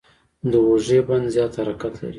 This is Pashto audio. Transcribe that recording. د اوږې بند زیات حرکت لري.